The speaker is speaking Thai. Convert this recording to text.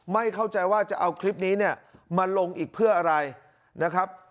ไม่เข้าใจว่าจะเอาคลิปนี้เนี่ยมาลงอีกเพื่ออะไรนะครับ